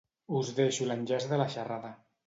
Us deixo l'enllaç de la xerrada.